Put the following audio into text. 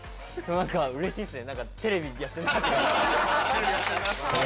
なんかうれしいっすね。